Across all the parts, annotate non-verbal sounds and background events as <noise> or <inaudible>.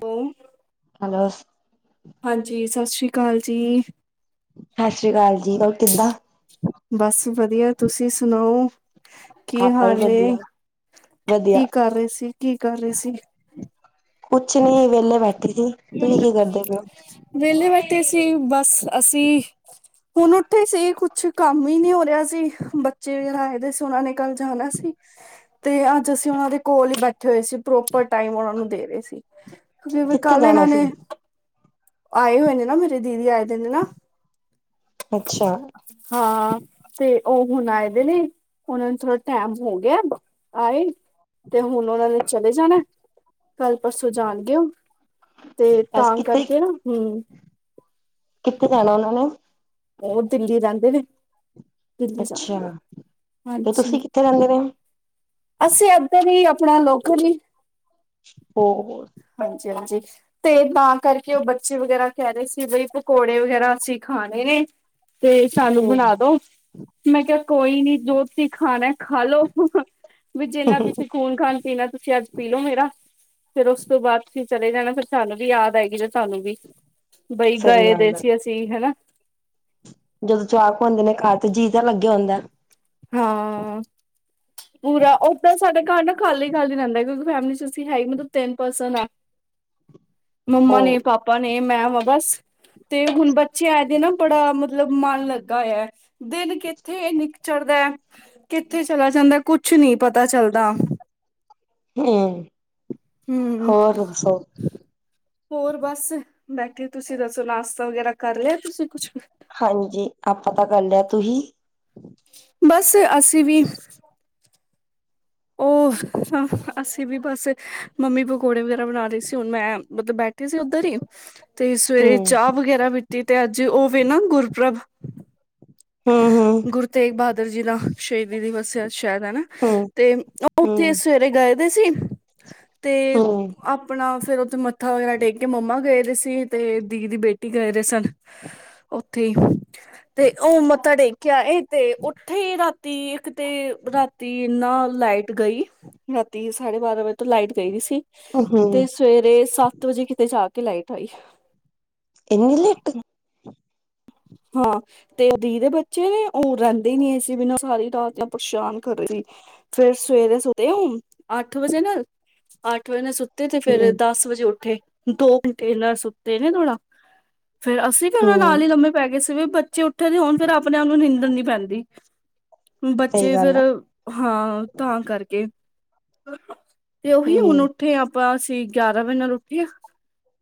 Form. Hello. ਹਾਂਜੀ, ਸਤਿ ਸ਼੍ਰੀ। ਸਤਿ ਸ੍ਰੀ ਅਕਾਲ ਜੀ, ਰੋ ਕਿੱਦਾਂ? ਬਸ ਵਧੀਆ, ਤੁਸੀਂ ਸੁਣਾਓ। ਕੀ ਆਪਾਂ ਵੀ ਹਾਲੇ ਏ, ਵਧੀਆ ਵਧੀਆ ਕੀ ਕਰ ਰਹੇ ਸੀ? ਕੀ ਕਰ ਰਹੇ ਸੀ? ਕੁਛ ਨੀ ਵੇਲੇ ਬੈਠੀ ਸੀ, ਤੁਹੀ ਕੀ ਕਰਦੇ ਪਏ ਹੋ? ਵੇਲੇ ਬੈਠੇ ਸੀ, ਬੱਸ ਅਸੀਂ। ਹੁਣ ਉੱਥੇ ਸੀ ਕੁਛ ਕੰਮ ਹੀ ਨਹੀਂ ਹੋ ਰਿਹਾ ਸੀ ਬੱਚੇ ਜਿਹੜ ਆਏ ਦੇ ਸੀ ਉਹਨਾਂ ਨੇ ਕੱਲ ਜਾਣਾ ਸੀ ਤੇ ਅੱਜ ਅਸੀਂ ਉਹਨਾਂ ਦੇ ਕੋਲ ਹੀ ਬੈਠੇ ਹੋਏ ਸੀ ਪ੍ਰੋਪਰ ਟਾਈਮ ਉਹਨਾ ਨੂੰ ਦੇ ਰਹੇ ਸੀ ਕਿਉਂਕਿ ਕਿੱਥੇ ਕੱਲ ਇਹਨਾਂ ਜਾਣਾ ਸੀ ਨੇ ਆਏ ਹੋਏ ਨੇ ਨਾ ਮੇਰੀ ਦੀਦੀ ਆਏ ਦੇ ਨੇ ਨਾ ਅੱਛਾ ਹਾਂ ਤੇ ਉਹ ਹੁਣ ਆਏ ਦੇ ਨੇ ਉਹਨਾਂ ਨੂੰ ਥੋੜਾ ਟੈਮ ਹੋ ਗਿਆ ਆਏ ਤੇ ਹੁਣ ਉਹਨਾਂ ਨੇ ਚਲੇ ਜਾਣਾ ਕੱਲ ਪਰਸੋਂ ਜਾਣਗੇ ਉਹ ਤੇ ਅਸ ਤਾਂ ਕਿੱਥੇ ਕਰਕੇ ਨਾ ਹਮ ਕਿੱਥੇ ਜਾਣਾ ਉਹਨਾਂ ਨੇ ਉਹ ਦਿੱਲੀ ਰਹਿੰਦੇ ਨੇ ਦਿੱਲੀ ਅੱਛਾ ਜਾਣਗੇ ਉਹ ਤੇ ਹਾਂਜੀ ਤੁਸੀਂ ਕਿੱਥੇ ਰਹਿੰਦੇ ਵਏ ਅਸੀਂ ਅੱਧਰ ਈ ਆਪਣਾ ਲੋਕਲ ਈ ਹੋ ਹਾਂਜੀ ਹਾਂਜੀ ਤੇ ਤਾਂ ਕਰਕੇ ਉਹ ਬੱਚੇ ਵਗੈਰਾ ਕਹਿ ਰਹੇ ਸੀ ਬਈ ਪਕੌੜੇ ਵਗੈਰਾ ਅਸੀਂ ਖਾਣੇ ਨੇ ਤੇ ਸਾਨੂੰ ਹਮ ਬਣਾ ਦੋ ਮੈਂ ਕਿਹਾ ਕੋਈ ਨੀ ਜੋ ਤੁਸੀਂ ਖਾਣਾ ਖਾ ਲੋ ਵੀ ਜਿੰਨਾ ਤੁਸੀਂ ਖ਼ੂਨ ਖਾਣ ਪੀਣਾ ਤੁਸੀਂ ਅੱਜ ਪੀ ਲੋਓ ਮੇਰਾ ਫੇਰ ਉਸ ਤੋਂ ਬਾਅਦ ਫ ਚਲੇ ਜਾਣਾ ਫਿਰ ਸਾਨੂੰ ਵੀ ਯਾਦ ਆਏਗੀ ਜ ਤੁਹਾਨੂੰ ਵੀ ਬਈ ਸਹੀ ਗਾਏ ਦੇ ਗੱਲ ਹੈ ਸੀ ਅਸੀਂ ਹਨਾ ਜਦੋਂ ਚਾਕ ਹੁੰਂਦੇ ਨੇ ਖਾ ਤੇ ਜੀਅ ਤਾਂ ਲੱਗੇਿਆ ਹੁੰਦਾ ਹਾਂ ਪੂਰਾ ਉਹ ਤਾਂ ਸਾਡਾ ਘਰ ਨਾ ਖਾਲੀ ਖਾਲੀ ਰਹਿੰਦਾ ਕਿਉਂਕਿ ਫੈਮਿਲੀ ਚ ਅਸੀਂ ਹੈ ਹੀ ਮਤਲਬ ਤਿੰਨ ਪਰਸਨ ਆ ਮੰਮਾ ਉਹ ਨੇ ਪਾਪਾ ਨੇ ਮੈਂ ਵਾ ਬਸ ਤੇ ਹੁਣ ਬੱਚੇ ਆਏ ਦੇ ਨਾ ਬੜਾ ਮਤਲਬ ਮਣ ਲੱਗਾ ਹੋਇਆਂ ਦਿਨ ਕਿੱਥੇ ਨ ਚੜਦਾ ਕਿੱਥੇ ਚਲਾ ਜਾਂਦਾ ਕੁਛ ਨੀ ਪਤਾ ਚੱਲਦਾ ਹਮ ਹਮ ਹੋਰ ਦੱਸੋ ਹੋਰ ਬਸ ਬੈਠੇ ਤੁਸੀਂ ਦੱਸੋ ਨਾਸ਼ਤਾ ਵਗੈਰਾ ਕਰ ਲਿਆ ਤੁਸੀਂ ਕੁਛ ਹਾਂਜੀ ਆਪਾਂ ਤਾਂ ਕਰ ਲਿਆ ਤੁਹੀ ਬਸ ਅਸੀਂ ਵੀ ਉਹ ਹ ਅਸੀਂ ਵੀ ਬਸ ਮੰਮੀ ਪਕੌੜੇ ਵਗੈਰਾ ਬਣਾ ਰਹੇ ਸੀ ਹੁਣ ਮੈਂ ਮਤਲਬ ਬੈਠ ਸੀ ਉੱਧਰ ਹੀ ਤੇ ਸਵੇਰੇ ਹਮ ਚਾਹ ਵਗੈਰਾ ਪੀਤੀ ਤੇ ਅੱਜ ਉਹਵੇ ਨਾ ਗੁਰਪ੍ਰਬ ਹਮ ਹਮ ਗੁਰੂ ਤੇਗ ਬਹਾਦਰ ਜੀ ਦਾ ਸ਼ਹੀਦੀ ਦਿਵਸ ਹੈ ਸ਼ਾਇਦ ਹਨਾ। ਤੇ ਅੱਪ ਹਮ ਉੱਥੇ ਸਵੇਰੇ ਗਏ ਦੇ ਸੀ ਤੇ ਆਪ ਹਮ ਆਪਣਾ ਫਿਰ ਉੱਥੇ ਮੱਥਾ ਵਗੈਰਾ ਟੇਕ ਕੇ ਮੰਮਾ ਗਏ ਦੇ ਸੀ ਅਤੇ ਦੀਦੀ ਦੀ ਬੇਟੀ ਗਏ ਦੇ ਸਨ ਉੱਥੇ ਤੇ ਉਹ ਮੱਥਾ ਟੇਕਿਆ ਇਹ ਤੇ ਉੱਥੇ ਹੀ ਰਾ ਤ ਇੱਕ ਤੇ ਰਾਤੀ ਇੰਨਾ ਲਾਈਟ ਗਈ ਰਾਤੀ ਸਾਢੇ ਬਾਰਾਂ ਵਜੇ ਲਾਈਟ ਗਈ। ਦੀ ਸੀ ਹਮ ਤੇ ਹਮ ਸਵੇਰੇ ਸੱਤ ਵਜੇ ਕਿਤੇ ਜਾ ਕੇ ਲਾਈਟ ਆਈ ਏਨੀ ਲੇਟ ਹਾਂ ਤੇ ਦੀ ਦੇ ਬੱਚੇ ਨੇ ਉਹ ਰਹਿੰਦੇ ਨਹੀਂ ਏ ਸੀ ਬਿਨਾਂ ਸਾਰੀ ਰਾਤ ਪਰੇਸ਼ਾਨ ਕਰੇ ਦੇ ਫ਼ਿਰ ਸਵੇਰੇ ਸੁਤੇ ਉਹ ਅੱਠ ਵਜੇ ਨਾ ਅੱਠ ਵਜੇ ਨਾਲ ਸੁ। ਤੇ ਫੇਰ ਹਮ ਦਸ ਵਜੇ ਉੱਠੇ ਦੋ ਘੰਟੇ ਸੁਤੇ ਨੇ ਥੋੜ੍ਹਾ ਫੇਰ ਅਸੀਂ ਵੀ ਉਹਨਾਂ ਹਮ ਨਾਲ ਹੀ ਲੰਮੇ ਪੈ ਗਏ ਸੀ ਵੀ ਬੱਚੇ ਉੱਠੇ ਦੇ ਹੋਣ ਫੇਰ ਆਪਣੇ ਆਪ ਨੂੰ ਨਿੰਦਰ ਨੀ ਪੈਂਦੀ। ਸਹੀ ਬੱਚੇ ਫਿਰ ਗੱਲ ਆ ਹਾਂ ਤਾਂ ਕਰਕੇ ਤੇ ਉਹੀ ਹੁਣ ਹਮ ਉੱਠੇ ਆਪਾਂ ਅਸੀਂ ਗਿਆਰਾਂ ਵਜੇ ਨਾਲ ਉੱਠੇ ਹ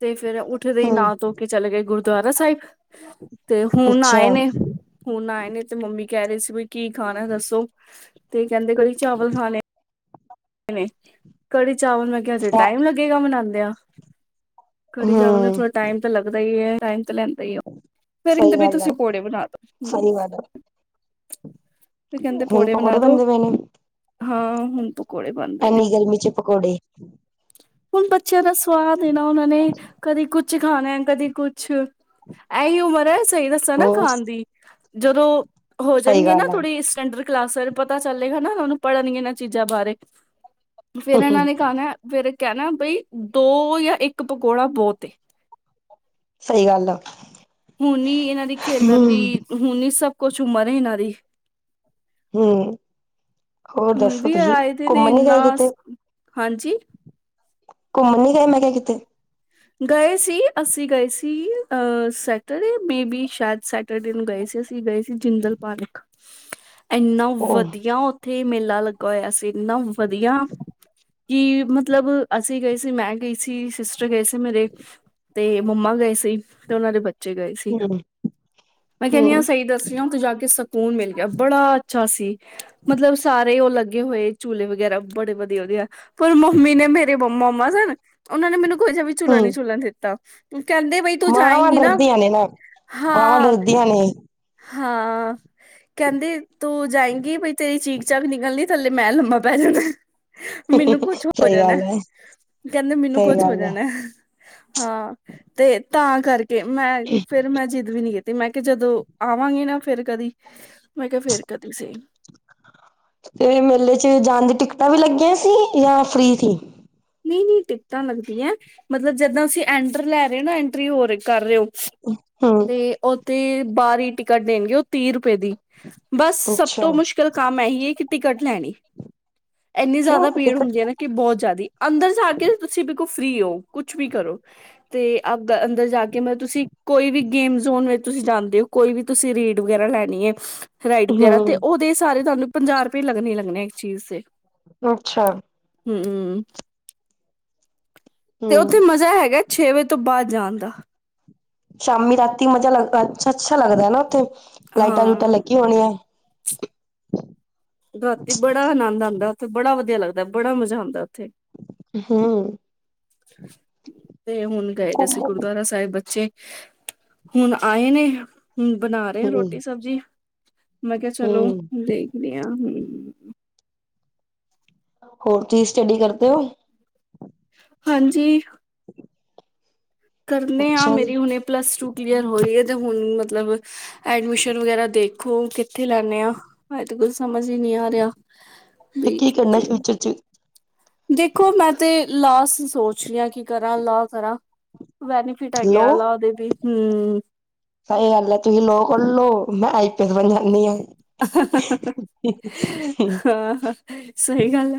ਤੇ ਫਿਰ ਉ ਉੱਠ ਦੇ ਹੀ ਹਮ ਨਾਂ ਧੋ ਕੀ ਚਲੇ ਗਏ ਗੁਰਦੁਆਰਾ ਸਾਹਿਬ। ਤੇ ਹੁਣ ਅੱਛਾ ਆਏ ਨੇ ਹੁਣ ਆਏ ਨੇ ਤੇ ਮੰਮੀ ਕਹਿ ਰਏ ਸੀ ਵੀ ਕੀ ਖਾਣਾ ਦੱਸੋ। ਤੇ ਕੈਂਦੇ ਕੜੀ ਚਾਵਲ ਖਾਣੇ ਣੇ ਕੜੀ ਚਾਵਲ ਮੈਂ ਕਿਆ ਅਜੇ ਟਾਈਮ ਲੱਗੇਗਾ ਬਨਾਦਿਆਂ। ਕੜੀ ਚਾਵਲ ਨੂੰ ਹਮ ਥੋੜ੍ਹਾ ਟਾਈਮ ਤਾਂ ਲੱਗਦਾ ਈ ਏ ਟਾਈਮ ਤਾਂ ਲੈ ਸਈ ਆ ਫਿਰ ਕੈਂਦੇ ਸਹੀ ਬ ਗੱਲ ਆ ਤੁਸੀਂ ਕੌੜੇ ਬਣਾ ਦੋ ਹੂੰ ਸਹੀ ਗੱਲ ਆ ਤੇ ਕੈਂਦੇ ਹੁਣ ਪੌੜੇ ਬਣਾ ਪਕੌੜੇ ਦੋ ਬਣਦੇ ਹਾਂ ਹੁਣ ਪ ਐਨੀ ਗਰਮੀ 'ਚ ਪਕੌੜੇ ਹੁਣ ਬੱਚਿਆਂ ਦਾ ਸਵਾਦ ਏ ਨਾ ਉਹਨਾਂ ਨੇ ਕਦੇ ਕੁਛ ਕੁ ਖਾਣਾ ਕਦੀ ਕੁਛ ਇਹੀ ਉਮਰ ਹੈ ਸਈ ਦੱਸਾਂ ਨਾ ਹੋਰ ਖਾਣ ਦੀ ਜਦੋਂ ਹੋ ਸਹੀ ਜਾਣਗੇ ਨਾ ਗੱਲ ਆ ਥੋੜੀ ਸਟੈਂਡਰ ਕਲਾਸਾਂ 'ਚ ਪਤਾ ਚੱਲੇਗਾਾ ਉਹ ਨੂੰ ਪੜ੍ਹਨਗੇ ਇਹਨਾਂ ਚੀਜ਼ਾਂ ਬਾਰੇ ਫਿਰ ਇਹਨਾਂ ਨੇ ਕਣਾ ਫਿਰ ਕੈਂਣਾ ਬਈ ਦੋ ਜਾਂ ਇੱਕ ਪਕੌੜਾ ਬੋਤ ਏ। ਸਹੀ ਗੱਲ ਆ ਹੁਣ ਇਹਨਾਂ ਦੀ ਖੇਲਣ ਦੀ ਹਮ ਹੁਣ ਸਭ ਕੁਛ ਉਮਰ ਇਹਨਾਂ ਦੀ ਹੂੰ ਹੋਰ ਹੁਣ ਦੱਸੋ ਵੀ ਤੁਸੀਂ ਆਏ ਦੇ ਨੇ ਘੁੰਮਣ ਨੀ ਗਏ ਇੰਨਾ ਕਿਤੇ ਹਾਂਜੀ ਘੁੰਮਣ ਨੀ ਗਏ ਮੈਂ ਕਿਆ ਕਿਤੇ ਗਏ ਸੀ ਅਸੀਂ ਗਏ ਸੀ ਅ ਸੈਟਰਡੇ ਮੇ ਬੀ ਸ਼ਾਇਦ ਸੈਟ ਨੂੰ ਗਏ ਸੀ ਅਸੀਂ ਗਏ ਸੀ ਜਿੰਦਲ ਪਾਰਕ ਇਨਾ ਉਹ ਵਧੀਆ ਉੱਥੇ ਮੇਲਾ ਲੱਗਾ ਹੋਇਆ ਸੀ ਇੰਨਾ ਵਧੀਆ ਕਿ ਮਤਲਬ ਅਸੀਂ ਗਏ ਸੀ ਮੈਂ ਗਈ ਸੀ ਸਿਸਟਰ ਗਏ ਸੀ। ਮੇਰੇ ਤੇ ਮੰਮਾ ਗਏ ਸੀ ਤੇ ਉਹਨਾਂ ਦੇ ਬੱ ਚੇ ਗਏ ਸੀ ਹਮ ਮੈਂ ਕੈਂਣੀ ਆਂ ਹਮ ਸਈ ਦੱਸਿਓ ਉਥੇ ਜਾ ਕੇ ਸਭ ਸਕੂਨ ਮਿਲ ਗਿਆ ਬੜਾ ਅੱਛਾ ਸੀ। ਮਤਲਬ ਸਾਰੇ ਓ ਲੱਗੇ ਹੋਏ ਝੂਲੇ ਵਗੈਰਾ ਬੜੇ ਵਧੀਆ-ਵਧੀਆ ਪਰ ਮੰਮੀ ਨੇ ਮੇਰੇ ਮੰਮਾ ਸਨ ਉਹਨਾਂ ਨੇ ਮੈਨੂੰ ਕੋੋ ਜਿਹਾ ਵੀ ਝੁਲਾ ਨੀ ਹਮ ਝੂਲਣ ਦਿੱਤਾ। ਕੈਂਦੇ ਬਈ ਤੂੰ ਮਾਵਾਂ ਜਾਏਂਗੀ ਨਾ ਡਰਦੀਆਂ ਨੇ ਨਾ ਮਾਵਾਂ ਹਾਂ। ਡਰਦੀਆਂ ਨੇ ਹਾਂ ਕੈਂਦੇ ਤੂੰ ਜਾਏਂਗੀ ਬਈ ਤੇਰੀ ਚੀਕ ਚਾਕ ਨਿਕਲਣੀ। ਥੱਲੇ ਮੈਂ ਲੰਮਾ ਪੈ ਜਾਂਗਾ। ਮੈਨੂੰ ਕੁਛ ਹੋ ਸਹੀ ਜਾਣਾ ਗੱਲ ਹੈ ਕੈਂਦੇ ਮੈਨੂੰ ਸਹੀ ਕੁਛ ਹੋ ਗੱਲ ਹੈ ਜਾਣਾ। ਹਾਂ ਤੇ ਤਾਂ ਕਰਕੇ ਮੈਂ ਫਿਰ ਮੈਂ ਜਿੱਦ ਵੀ ਨੀ ਕੀਤੀ। ਤੇ ਮੈਂ ਕਿਆ ਜਦੋਂ ਆਵਾਂਗੇ ਨਾ ਫਿਰ ਕਦੀ ਮੈਂ ਕਿਆ ਫਿਰ ਕਦੀ ਸਈ ਤੇ ਮੇਲੇ 'ਚ ਜਾਣ ਦੀ ਟਿਕਟਾਂ ਵੀ ਲੱਗੀਆਂ ਸੀ ਜਾਂ ਫਰੀ ਤੀ। ਨਈ-ਨਈ ਟਿਕਟਾਂ ਲੱਗਦੀਆਂ ਮਤਲਬ ਜਿੱਦਾਂ ਤੁਸੀਂ ਐਂਟਰ ਲੈ ਰਏ ਹੋ ਨਾ ਐਂਟਰੀ ਹੋ ਰ ਕਰ ਰਏ ਓ। ਹਮ ਤੇ ਉਥੇ ਬਾਰੀ ਟਿਕਟ ਦੇਣਗੇ ਉਹ ਤੀਹ ਰੁਪਏ ਦੀ ਬਸ ਸਭ ਅੱਛਾ ਤੋਂ ਮੁਸ਼ਕਿਲ ਕੰਮ ਇਹੀ ਹੈ ਕਿ ਟਿਕਟ ਲੈਣੀ। ਇੰਨੀ ਕਿਉਂ ਜਾਦਾ ਭੀੜ ਟਿਕਟ ਹੁੰਦੀ ਹੈ ਨਾ ਕਿ ਬੋਤ ਜਾਦੀ ਅੰਦਰ ਜਾ ਕੇ ਤੁਸੀਂ ਬਿਲਕੁਲ ਫਰੀ ਹੋ ਕੁਛ ਵੀ ਕਰੋ ਤੇ ਅ ਅੰਦਰ ਜਾ ਕੇ ਮਤਲਬ ਤੁਸੀਂ ਕੋਈ ਵੀ ਗੇਮ ਜ਼ੋਨ ਵਿੱਚ ਤੁਸੀਂ ਜਾਂਦੇ ਹੋ ਕੋਈ ਵੀ ਤੁਸੀਂ ਰੇੜ ਵਗੈਰਾ ਲੈਣੀ ਏ ਰਾਈਡ ਵਗੈਰਾ ਤੇ ਹੂੰ ਓਦੇ ਸਾਰੇ ਤੁਹਾਨੂੰ ਪੰਜਾਹ ਰੁਪਏ ਲੱਗਣੇ ਲੱਗਣੇ ਇਕ ਚੀਜ਼ ਤੇ ਅੱਛਾ ਹੂੰ-ਹੂੰ ਤੇ ਉੱਥੇ ਹੂੰ ਮਜ਼ਾ ਹੈਗਾ ਛੇ ਵਜੇ ਤੋਂ ਬਾਦ ਜਾਣ ਦਾ ਸ਼ਾਮੀ ਰਾਤੀ ਮਜਾ ਲੱਗ ਅੱਛਾ-ਅੱਛਾ ਲੱਗਦਾ ਨਾ ਉੱਥੇ ਲਾਈਟਾਂ ਲੁਟਾਂ ਹਾਂ ਲੱਗੀ ਹੋਣੀਆਂ। ਰਾਤੀ ਬੜਾ ਆਨੰਦ ਆਂਦਾ ਉੱਥੇ, ਬੜਾ ਵਧੀਆ ਲੱਗਦਾ, ਬੜਾ ਮਜ਼ਾ ਆਂਦਾ ਉੱਥੇ ਹੂੰ। ਤੇ ਹੁਣ ਗਏ ਦੇ ਸੀ ਹੂੰ ਗੁਰਦੁਆਰਾ ਸਾਬ ਚੇ ਬੱਚੇ ਹੁਣ ਆਏ ਨੇ ਹੁਣ ਬਣਾ ਰੇ ਆ ਰੋਟੀ-ਸਬਜ਼ੀ। ਮੈਂ ਕੇਆ ਚਲੋ ਹੂੰ ਦੇਖਦੀ ਹਾਂ ਹੂੰ ਹੋਰ ਕੀ ਸਟੱਡੀ ਕਰਦੇ ਓ? ਹਾਂਜੀ। ਕਰਨੇ ਆ ਅੱਛਾ ਜੀ ਮੇਰੀ ਹੁਣੇ ਪਲੱਸ ਟੂ ਕਲੀਅਰ ਹੋਈ ਏ ਤੇ ਹੁਣ ਮਤਲਬ ਐਡਮਿਸ਼ਨ ਵਗੈਰਾ ਦੇਖੋ ਕਿੱਥੇ ਲੈਣੇ ਆ ਹਜੇ ਤੇ ਕੁਝ ਸਮਝ ਹੀ ਨੀ ਆ ਰਿਹਾ। ਤੇ ਵੀ ਕੀ ਕਰਨਾ ਫਿਊਚਰ ਚ ਦੇਖੋ ਮੈਂ ਤੇ ਲਾ ਸੋਚ ਰੀ ਆ ਕਿ ਕਰਾਂ ਲਾ ਕਰਾ ਬੈਨੀ ਫਿਟ ਹੈਗੇ ਲੋ ਆ ਲਾ ਦੇ ਵੀ ਹੂੰ। ਸਹੀ ਗੱਲ ਹੈ ਤੁਸੀਂ ਲੋ ਕਰਲ ਲੋ ਮੈਂ ਆਈ ਪੀ ਐਸ ਬਣ ਜਾਂਣੀ ਆ। ਹਾਂ ਸਹੀ ਗੱਲ ਐ।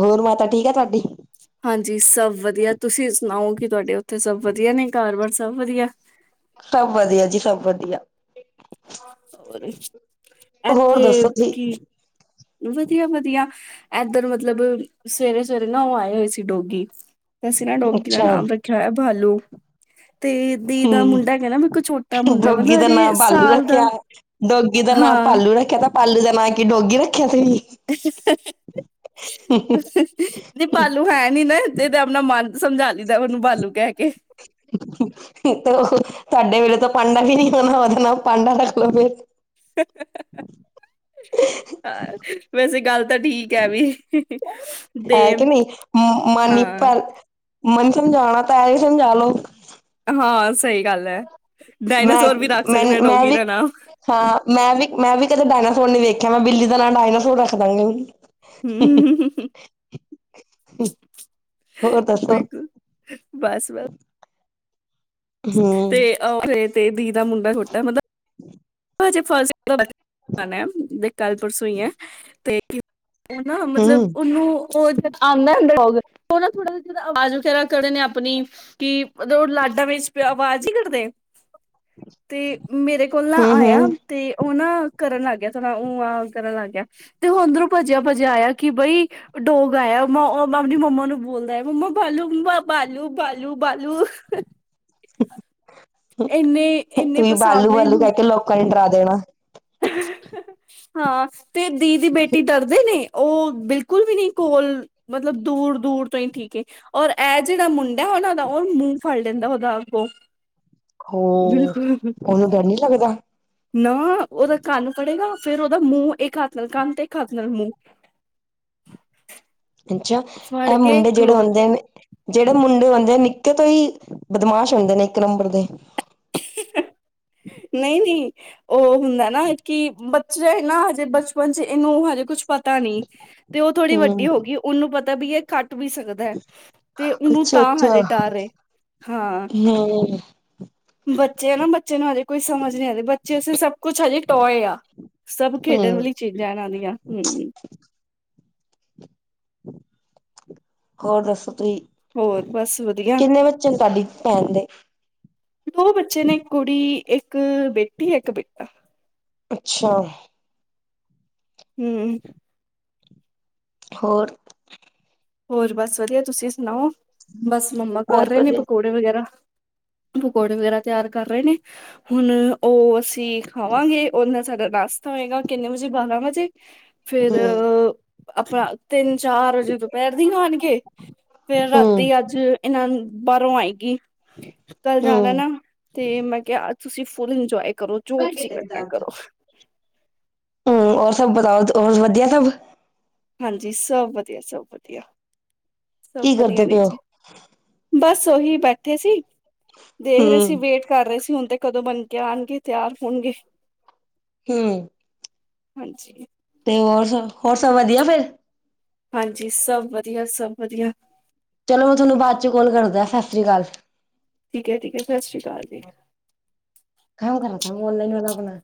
ਹੋਰ ਮਾਤਾ ਠੀਕ ਆ ਤਾਡੀ? ਹਾਂਜੀ ਸਭ ਵਧੀਆ ਤੁਸੀਂ ਸੁਨਾਓ ਕਿ ਤੁਆਡੇ ਉੱਥੇ ਸਭ ਵਧੀਆ ਨੇ ਕਾਰ ਬਾਰ ਸਭ ਵਧੀਆ ਸਭ ਵਧੀਆ ਜੀ-ਸਭ ਵਧੀਆ। ਹੋਰ ਐਥੇ ਦੱਸੋ ਜੀ ਕੀ ਵਧੀਆ-ਵਧੀਆ ਐਧਰ ਮਤਲਬ ਸਵੇਰੇ-ਸਵੇਰੇ ਨਾ ਓ ਆਏ ਹੋਏ ਸੀ ਡੋਗੀ ਅਸੀਂ ਨਾਂ ਡੋਗੀ ਦਾ ਅੱਛਾ ਨਾਮ ਰੱਖਿਆ ਹੋਯਾ ਬਾਲੂ। ਤੇ ਦੀ ਦਾ ਹੂੰ ਮੁੰਡਾ ਹੈਗਾ ਨਾ ਵੀ ਬਿਲਕੁਲ ਛੋਟਾ ਮੁੰਡਾ ਡੋਗੀ ਮਤਲਬ ਦਾ ਨਾਂ ਹਜੇ ਭਾਲੂ ਸਾਲ ਦਾ ਰੱਖਿਆ। ਡੋਗੀ ਦਾ ਨਾਂ ਹਾਂ। ਪਾਲੂ ਰੱਖਿਆ ਤਾਂ ਪਾਲੂ ਦਾ ਨਾਂ ਕੀ ਡੋਗੀ ਰੱਖਿਆ ਦਾ ਈ। ਨੀ ਪਾਲੂ ਹੈ ਨੀ ਨਾ ਐਥੇ ਤੇ ਆਪਣਾ ਮਨ- ਸਮਝਾ ਲੀ ਦਾ ਓਨੂੰ ਬਾਲੂ ਕਹਿ ਕੇ ਤੇ ਤੁਹਾਡੇ ਵੇਲੇ ਤਾਂ ਪਾਂਡਾ ਵੀ ਨੀ ਹੋਣਾ ਉਹਦਾ ਨਾਮ ਪਾਡਾ ਰੱਖ ਲੋ ਫੇਰ ਹ ਵੈਸੇ ਗੱਲ- ਤਾਂ ਠੀਕ ਐ ਵੀ ਤੇ ਹੈ ਕਿ ਨਹੀਂ ਮਾਨੀ ਹਾਂ। ਪਰ ਮਨ ਸਮਝਾਣਾ ਤਾਂ ਏਹੀ ਸਮਝਾ ਲੋ। ਹਾਂ ਸਹੀ ਗੱਲ ਐ ਮੈਂ ਡਾਇਨਾਸੋਰ ਵੀ ਰੱਖ ਮੈਂ ਸਕਦੇ ਆ ਮੈਂ ਡੋਗੀ ਵੀ ਦਾ ਨਾਮ ਹਾਂ ਮੈਂ ਵੀ ਮੈਂ ਵੀ ਕਦੇ ਡਾਇਨਾਸੋਰ ਨੀ ਵੇਖਿਆ ਮੈਂ ਬਿੱਲੀ ਦਾ ਨਾਲ ਡਾਇਨਾਸੋਰ ਰੱਖ ਦਾਂਗੀ। ਹੂੰ। <unintelligible> ਹੋਰ ਦੱਸੋ ਬਿਲਕੁਲ ਬਸ-ਬਸ। ਹੂੰ ਤੇ ਓਥੇ ਤੇ ਦੀ ਦਾ ਮੁੰਡਾ ਛੋਟਾ ਮਤਲਬ ਹਜੇ ਫਸਟ ਕਲਾਸ ਚ ਜਾਣਾ ਤੇ ਕੱਲ੍ਹ ਪਰਸੋਂ ਈ ਐ ਤੇ ਹੈਨ ਹੂੰ ਮਤਲਬ ਓਨੂੰ <inaudible> ਕਿ ਮਤਲਬ ਓ ਲਾਡਾਂ ਵਿੱਚ ਆਵਾਜ਼ ਨੀ ਕਡਦੇ ਤੇ ਮੇਰੇ ਕੋਲ ਨਾ ਹੂੰ ਆਇਆ ਹੂੰ। ਤੇ ਓ ਨਾ ਕਰਨ ਲੱਗ ਗਿਆ ਥੋੜਾ ਉਹ ਆ ਕਰਨ ਲੱਗ ਗਿਆ। ਤੇ ਓ ਅੰਦਰੋਂ ਪਜਿਆ-ਪਜਿਆ ਆਇਆ ਕਿ ਬਈ ਓ ਡੋਗ ਆਇਆ ਓ ਆਪਣੀ ਮੰਮਾ ਨੂੰ ਬੋਲਦੈ ਮੰਮਾ ਬਾਲੂ ਮੰਮਾ ਬਾਲੂ ਬਾਲੂ ਬਾਲੂ। ਇੰਨੇ-ਇੰਨੇ ਤੁਹੀਂ ਪਸੰਦ ਬਾਲੂ ਨੇ ਬਾਲੂ ਕੈ ਇਹਨੂੰ ਕੇ ਲੋਕਾਂ ਨੂੰ ਡਰਾ ਦੇਣਾ ਹਾਂ, ਤੇ ਦੀ ਦੀ ਬੇਟੀ ਡਰਦੇ ਨੇ? ਓਹ ਬਿਲਕੁਲ ਵੀ ਨਹੀਂ, ਕੋਲ, ਮਤਲਬ ਦੂਰ ਦੂਰ ਤੋਂ ਹੀ ਠੀਕ ਏ। ਔਰ ਏਹ ਜੇਹੜਾ ਮੁੰਡੈ ਉਹਨਾ ਦਾ, ਓਹ ਮੂੰਹ ਫੜ ਲੇਂਦੈ ਉਹਦਾ ਅੱਗੋਂ। ਹੋ, ਬਿਲਕੁਲ ਉਹਨੂੰ ਡਰ ਨੀ ਲੱਗਦਾ? ਨਾ, ਉਹਦਾ ਕੰਨ ਪੜੇਗਾ ਫੇਰ ਓਹਦਾ ਮੂੰਹ, ਇੱਕ ਹੱਥ ਨਾਲ ਕੰਨ ਤੇ ਇੱਕ ਹੱਥ ਨਾਲ ਮੂੰਹ। ਅੱਛਾ, ਫੜ ਏਹ ਕੇ ਮੁੰਡੇ ਜਿਹੜੇ ਖਲੋ ਹੁੰਦੇ ਨੇ ਜੇੜੇ ਮੁੰਡੇ ਹੁੰਦੇ, ਨਿੱਕੇ ਤੋਂ ਹੀ ਬਦਮਾਸ਼ ਹੁੰਦੇ ਨੇ ਇੱਕ ਨੰਬਰ ਦੇ? ਨਈਂ-ਨਈਂ ਓਹ ਹੁੰਦੈ ਨਾ ਕਿ ਬੱਚੇ ਨਾ ਹਜੇ, ਬਚਪਨ ਚ ਏਨੂੰ ਹਜੇ ਕੁਛ ਪਤਾ ਨੀ, ਤੇ ਓਹ ਥੋੜੀ ਹਮ ਵੱਡੀ ਹੋ ਗਈ। ਉਹਨੂੰ ਪਤੈ ਬੀ ਏ ਕੱਟ ਵੀ ਸਕਦੈ ਤੇ ਓਹਨੂੰ ਅੱਛਾ ਤਾਂ ਹਜੇ ਡਰ ਏ। ਹਾਂ ਹੰ ਬੱਚੇ ਆ ਨਾ, ਬੱਚੇ ਨੂੰ ਹਜੇ ਕੋਈ ਸਮਝ ਨਹੀ ਹਲੇ, ਬੱਚੇ ਆਸਤੇ ਸਬ ਕੁੱਛ ਹਜੇ ਟੋਏ ਆ ਸਭ ਖੇਡਣ ਹਮ ਵਾਲੀ ਚੀਜ਼ਾਂ ਏਨਾਂ ਦੀਆਂ ਹੰ ਹੋਰ ਦੱਸੋ, ਤੁਹੀ ਹੋਰ ਬਸ ਵਧੀਆ ਕਿੰਨੇ ਬੱਚੇ ਨੇ ਤੁਵਾਡੀ ਪੈਣ ਦੇ ਦੋ ਬੱਚੇ ਨੇ, ਇੱਕ ਕੁੜੀ, ਇੱਕ ਬੇਟੀ, ਇੱਕ ਬੇਟਾ ਅੱਛਾ। ਹੂੰ। ਹੋਰ ਹੋਰ ਬਸ ਵਦੀਆ, ਤੁਸੀਂ ਸੁਣਾਓ ਬਸ ਮੰਮਾ ਕਰ ਬਹੁਤ ਰਹੇ ਨੇ ਵਧੀਆ ਪਕੌੜੇ ਪਕੌੜੇ ਵਗੈਰਾ ਪਕੌੜੇ ਵਗੈਰਾ ਤਿਆਰ ਕਰ ਰਹੇ ਨੇ ਹੁਨ ਓਹ ਅਸੀਂ ਖਾਵਾਂਗੇ, ਓਹਦੇ ਨਾਲ ਸਾਡਾ ਨਾਸਤਾ ਹੋਏਗਾ, ਕਿੰਨੇ ਵਜੇ? ਬਾਰਾਂ ਵਜੇ ਫਿਰ ਆਪਣਾ, ਤਿੰਨ ਚਾਰ ਵਜੇ ਦੁਪਹਿਰ ਦੀ ਖਾਣਗੇ। ਫੇਰ ਹਮ ਰਾਤੀ ਅੱਜ ਇਹਨਾਂ ਨ ਬਾਹਰੋਂ ਆਏਗੀ। ਕੱਲ ਜਾਣੈ ਨਾ ਤੇ ਮੈਂ ਕਿਹਾ ਅੱਜ ਤੁਸੀਂ ਫੁੱਲ ਇੰਜੋਏ ਕਰੋ, ਜੋ ਤੁਸੀ ਕਰਨੈ, ਕਰੋ।। ਹੂੰ, ਹੋਰ ਸਬ ਬਤਾਓ, ਹੋਰ ਵਦੀਆ ਸਬ? ਹਾਂਜੀ, ਸਬ ਵਦੀਆ, ਸਬ ਵਦੀਆ ਸਬ ਕੀ ਵਦੀਆ ਕਰਦੇ ਨੇ ਪਏ ਹੋ ਜੀ। ਬਸ ਓਹੀ ਬੈਠੇ ਸੀ ਦੇਖ ਰਹੇ ਹਮ ਸੀ ਵੇਟ ਕਰ ਰਹੇ ਸੀ, ਹੁਣ ਤੇ ਕਦੋਂ ਬਣ ਕੇ ਆਣਗੇ, ਤਿਆਰ ਹੋਣਗੇ ਹੂੰ। ਹਾਂਜੀ। ਤੇ ਹੋਰ ਸਬ, ਹੋਰ ਸਬ ਵਦੀਆ ਫੇਰ? ਹਾਂਜੀ, ਸਭ ਵਦੀਆ, ਸਭ ਵਦੀਆ। ਚਲੋ, ਮੈਂ ਤੁਹਾਨੂੰ ਬਾਅਦ ਚ ਕੋਲ ਕਰਦਾਂ, ਸਤਿ ਸ੍ਰੀ ਕਾਲ। ਠੀਕ ਏ, ਠੀਕ ਏ। ਸਤਿ ਸ੍ਰੀ ਕਾਲ ਜੀ। ਖਾਂ ਖ ਓਨਲਾਈਨ ਵਾਲਾ ਆਪਨਾ